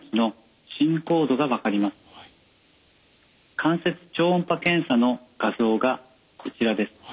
関節超音波検査の画像がこちらです。